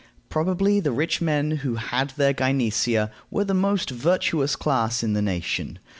Probably the rich men who had their gynecea were the most virtuous class in the nation.